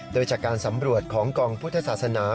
โดยจากการสำรวจของกองพุทธศาสนา